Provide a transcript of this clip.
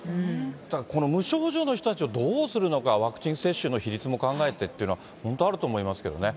だからこの無症状の人たちをどうするのか、ワクチン接種の比率も考えてっていうのは、本当あると思いますけどね。